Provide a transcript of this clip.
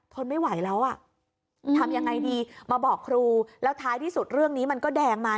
ทนไม่ไหวแล้วอ่ะทำยังไงดีมาบอกครูแล้วท้ายที่สุดเรื่องนี้มันก็แดงมา